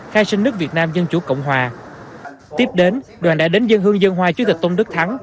khai sinh nước việt nam dân chủ cộng hòa